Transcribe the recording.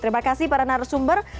terima kasih para narasumber